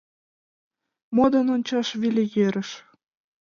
Модын ончаш веле йӧрыш.